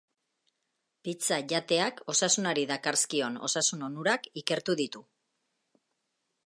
Pizza jateak osasunari dakarzkion osasun onurak ikertu ditu.